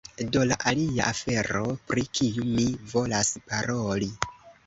Do la alia afero, pri kiu mi volas paroli